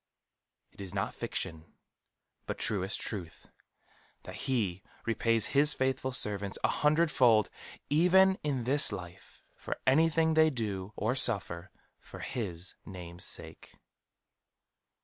It is not fiction, but truest truth, that He repays his faithful servants an hundred fold, even in this life, for anything they do or suffer for his name's sake.